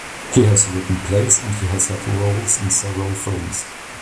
He has written plays and he has had roles in several films.